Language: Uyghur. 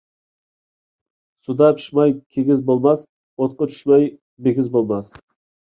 سۇدا پىىشماي كىگىز بولماس، ئوتقا چۈشمەي بىگىز بولماس.